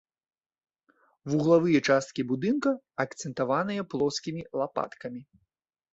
Вуглавыя часткі будынка акцэнтаваныя плоскімі лапаткамі.